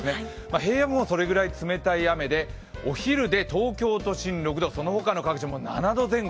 平野部もそれくらい冷たい雨で、お昼で東京都心６度、その他の各地も７度前後。